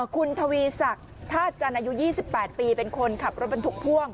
คุณทวีศักดิ์ท่าจันทร์อายุ๒๘ปีเป็นคนขับรถบรรทุกพ่วง